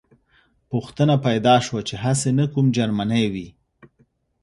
پوښتنه پیدا شوه چې هسې نه کوم جرمنی وي